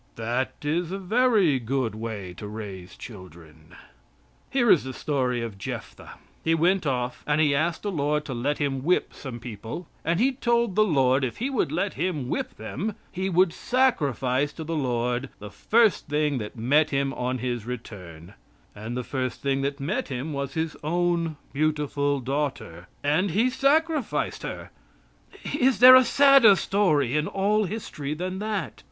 That is a very good way to raise children. Here is the story of Jephthah. He went off and he asked the Lord to let him whip some people, and he told the Lord if He would let him whip them, he would sacrifice to the Lord the first thing that met him on his return; and the first thing that met him was his own beautiful daughter, and he sacrificed her. Is there a sadder story in all history than that?